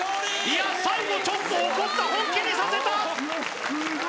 いや最後ちょっと怒った本気にさせた！